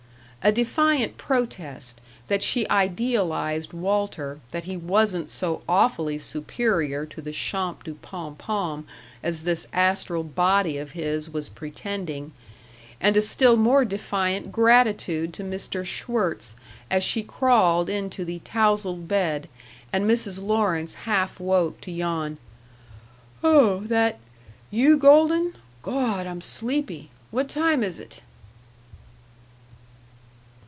A defiant protest that she idealized Walter, that he wasn't so awfully superior to the Champs du Pom Pom as this astral body of his was pretending, and a still more defiant gratitude to Mr. Schwirtz as she crawled into the tousled bed and Mrs. Lawrence half woke to yawn, "Oh, that you Gold'n? Gawd! I'm sleepy. Wha' time is 't?"